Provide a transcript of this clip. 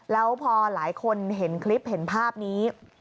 แล้วพอหลายคนเห็นคลิปเห็นภาพนี้